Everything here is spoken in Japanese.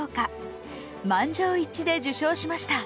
満場一致で受賞しました。